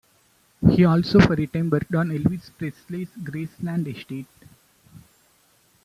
He also for a time worked on Elvis Presley's Graceland estate.